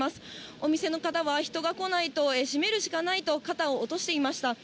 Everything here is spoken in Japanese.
お店の方は、人が来ないと閉めるしかないと、肩を落としていました。